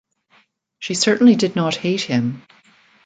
She certainly did not hate him.